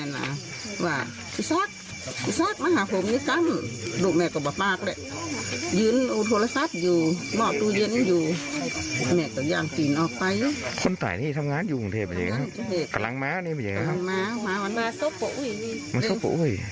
นี้แต่มันผิดโลป